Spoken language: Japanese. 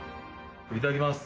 いただきます